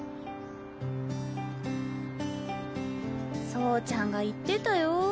走ちゃんが言ってたよ。